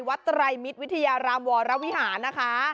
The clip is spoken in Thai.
ไตรมิตรวิทยารามวรวิหารนะคะ